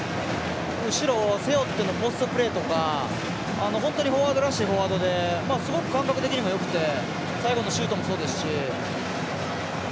後ろを背負ってのポストプレーとか本当にフォワードらしいフォワードですごく感覚的にもよくて最後のシュートもそうですし。